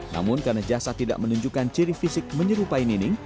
namun karena jasad tidak menunjukkan ciri fisik menyerupai nining